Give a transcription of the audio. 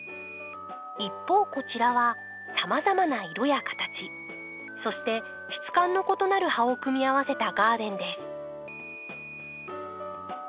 一方こちらはさまざまな色や形そして質感の異なる葉を組み合わせたガーデンです。